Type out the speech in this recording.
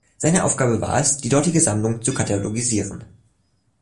Seine Aufgabe war es, die dortige Sammlung zu katalogisieren.